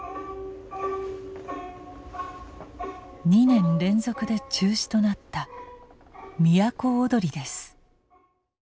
２年連続で中止となった「都をどり」です。